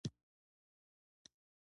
زرکوه درې ټوکرۍ واخله درې.